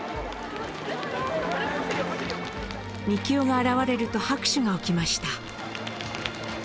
みきおが現れると拍手が起きました。